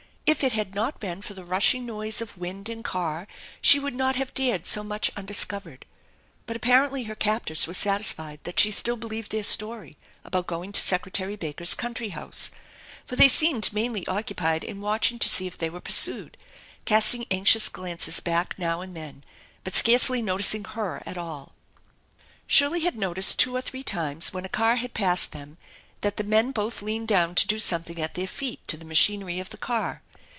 If it had not been for the rushing noise of wind and car she would not have dared so much undis covered, but apparently her captors were satisfied that she still believed their story about going to Secretary Baker's country house, for they seemed mainly occupied in watching to see if they were pursued, casting anxious glances back now and tnen, but scarcely noticing her at all. Shirley had noticed two or three times when a car had passed them that the men both leaned down to do something at their feet to the machinery of the car.